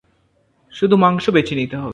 শুধু মাংস বেছে নিতে হবে।